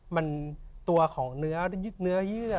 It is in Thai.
มันตัวของเนื้อยึดเนื้อเยื่อ